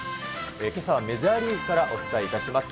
けさはメジャーリーグからお伝えいたします。